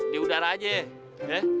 di udara aja ya